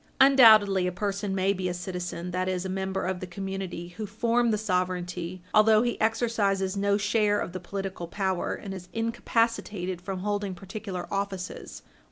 Undoubtedly a person may be a citizen, that is, a member of the community who form the sovereignty, although he exercises no share of the political power and is incapacitated from holding particular offices.